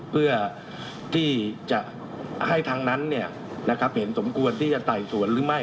เพื่อที่จะให้ทางนั้นเห็นสมควรที่จะไต่สวนหรือไม่